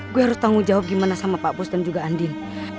gue harus tanggung jawab gimana sama pak bus dan juga andin